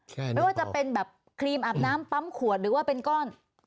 ไม่ว่าจะเป็นแบบครีมอาบน้ำปั๊มขวดหรือว่าเป็นก้อน